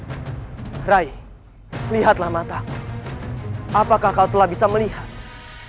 telah berjalan ke tempat yang benar atau tidak raih lihatlah mata apakah kau telah berjalan ke tempat yang benar atau tidak